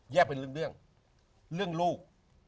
เป็นเรื่องเรื่องลูก